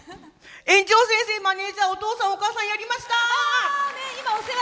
園長先生マネージャーお父さん、お母さんやりました！